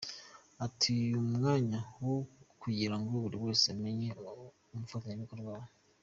Ati “Uyu ni umwanya wo kugira ngo buri wese amenye umufatanyabikorwa we.